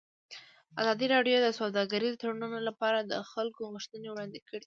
ازادي راډیو د سوداګریز تړونونه لپاره د خلکو غوښتنې وړاندې کړي.